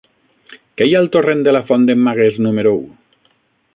Què hi ha al torrent de la Font d'en Magués número u?